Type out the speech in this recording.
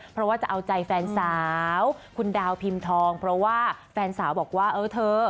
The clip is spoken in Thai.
เพราะว่าจะเอาใจแฟนสาวคุณดาวพิมพ์ทองเพราะว่าแฟนสาวบอกว่าเออเธอ